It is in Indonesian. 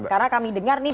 karena kami dengar nih